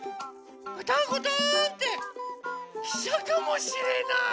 ガタンゴトーンってきしゃかもしれない！